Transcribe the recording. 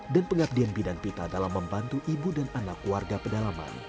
dan pengabdian bidan pita dalam membantu ibu dan anak warga pedalaman